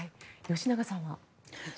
吉永さんは。